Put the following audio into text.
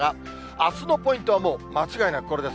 あすのポイントはもう、間違いなくこれです。